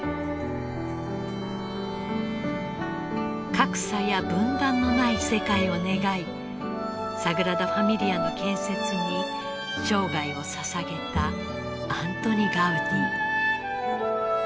格差や分断のない世界を願いサグラダ・ファミリアの建設に生涯をささげたアントニ・ガウディ。